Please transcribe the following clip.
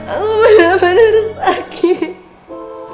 aku benar benar sakit